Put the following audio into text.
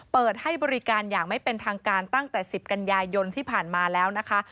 เปิดให้บริการอย่างไม่เป็นทางการตั้งแต่๑๐กันยายนที่ผ่านมาแล้วนะคะ